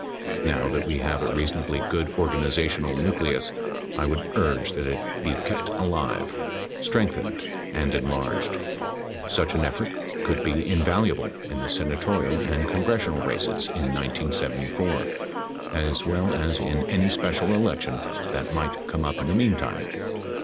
Now that we have a reasonably good organiza tional nucleus, I would urge that it be kept alive, strengthened and enlarged. Such an effort could be invaluable in the sena torial and congressional races in 1974, as well as in any special election that might come up in the meantime.